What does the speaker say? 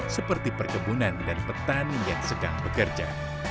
seperti perkebunan dan petani yang sedang bekerja